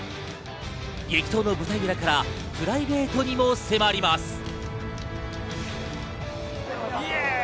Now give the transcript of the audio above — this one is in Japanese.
激闘の舞台裏からプライベートにも迫ります。